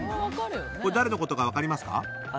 誰のことか分かりますか？